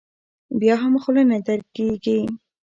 بیا هم خوله نه درېږي.